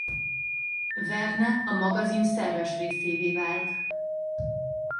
Verne a magazin szerves részévé vált.